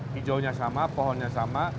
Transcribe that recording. hijau nya sama pohonnya sama